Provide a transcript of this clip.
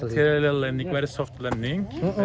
perjalanan yang lembut perjalanan yang bagus